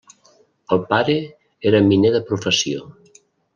El pare era miner de professió.